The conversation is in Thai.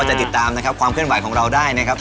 จะติดตามนะครับความเคลื่อนไหวของเราได้นะครับ